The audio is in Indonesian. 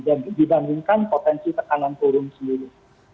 dan dibandingkan potensi tekanan turun sendiri